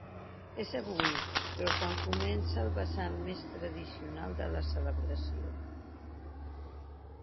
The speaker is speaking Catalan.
És avui, però, quan comença el vessant més tradicional de la celebració.